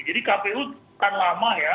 jadi kpu bukan lama ya